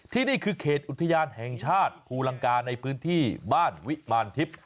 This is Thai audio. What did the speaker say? นี่คือเขตอุทยานแห่งชาติภูลังกาในพื้นที่บ้านวิมารทิพย์